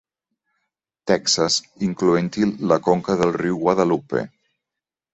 Texas, incloent-hi la conca del riu Guadalupe.